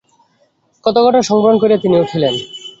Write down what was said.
কতকটা সংবরণ করিয়া তিনি উঠিলেন।